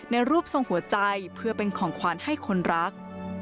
รูปทรงหัวใจเพื่อเป็นของขวัญให้คนรัก